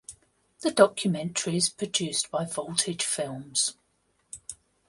The documentary is produced by Voltage Films.